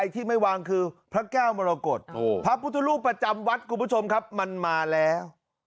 ที่ไม่วางคือพระเก่ามรกตพระมทรูปจำวัตตมมันมาแล้ว